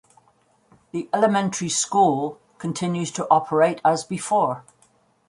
The elementary school continues to operate as before.